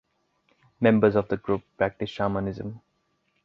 Members of the group practice shamanism.